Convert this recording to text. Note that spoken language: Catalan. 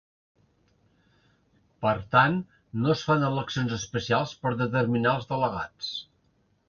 Per tant, no es fan eleccions especials per determinar els delegats.